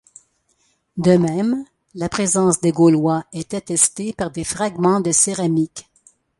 De même, la présence des Gaulois est attestée par des fragments de céramique.